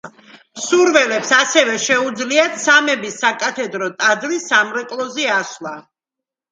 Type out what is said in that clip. მსურველებს ასევე შეუძლიათ სამების საკათედრო ტაძრის სამრეკლოზე ასვლა.